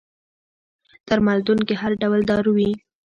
درملتون کي هر ډول دارو وي